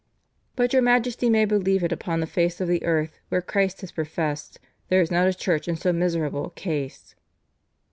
But your Majesty may believe it, upon the face of the earth where Christ is professed, there is not a Church in so miserable a case."